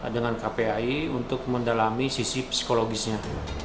dengan kpai untuk mendalami sisi psikologisnya